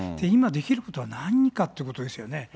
今、できることは何かっていうことですよね。